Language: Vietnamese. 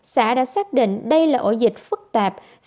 xã đã xác định đây là ổ dịch phức tạp